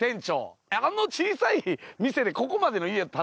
あの小さい店でここまでの家建つ？